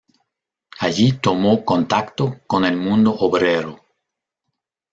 Allí tomó contacto con el mundo obrero.